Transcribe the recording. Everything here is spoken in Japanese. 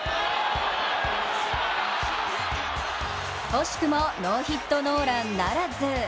惜しくもノーヒットノーランならず。